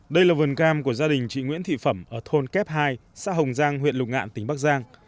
đây là vườn cam của gia đình chị nguyễn thị phẩm ở thôn kép hai xã hồng giang huyện lục ngạn tỉnh bắc giang